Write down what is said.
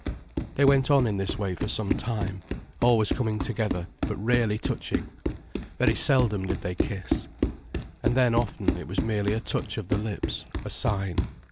They went on in this way for some time, always coming together, but rarely touching, very seldom did they kiss. And then, often, it was merely a touch of the lips, a sign.